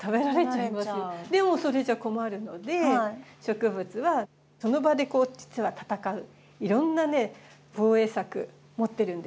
でもそれじゃ困るので植物はその場でこう実は戦ういろんな防衛策持ってるんですよ。